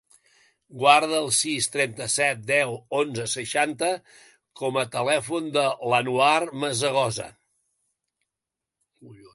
Guarda el sis, trenta-set, deu, onze, seixanta com a telèfon de l'Anwar Masegosa.